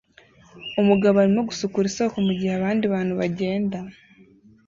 Umugabo arimo gusukura isoko mugihe abandi bantu bagenda